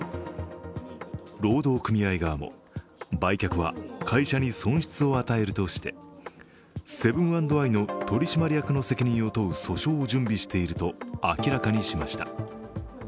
労働組合側も売却は会社に損失を与えるとしてセブン＆アイの取締役の責任を問う訴訟を準備していると明らかにしました。